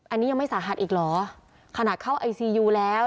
อันนี้ยังไม่สาหัสอีกเหรอขนาดเข้าไอซียูแล้ว